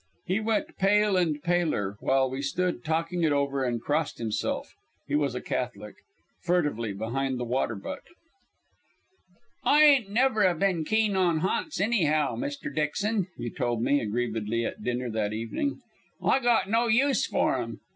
He went pale and paler while we stood talking it over, and crossed himself he was a Catholic furtively behind the water butt. "I ain't never 'a' been keen on ha'nts anyhow, Mr. Dixon," he told me aggrievedly at dinner that evening. "I got no use for 'em.